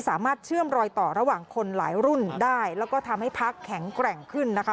สามารถเชื่อมรอยต่อระหว่างคนหลายรุ่นได้แล้วก็ทำให้พักแข็งแกร่งขึ้นนะคะ